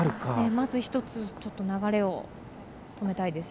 まず１つ流れを止めたいです。